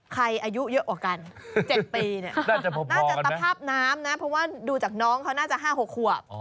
ใครอายุเยอะกว่ากันเจ็ดปีเนี่ยน่าจะพอพอกันไหมน่าจะตะภาพน้ำนะเพราะว่าดูจากน้องเขาน่าจะห้าหกขวบ